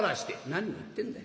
「何を言ってんだ。